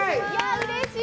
うれしい。